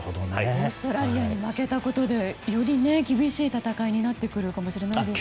オーストラリアに負けたことでより厳しい戦いになってくるかもしれないですね。